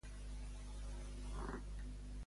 Comença a sortir Brandon amb algú?